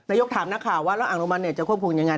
ยกถามนักข่าวว่าแล้วอ่างโรมันจะควบคุมยังไง